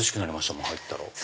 もん入ったら。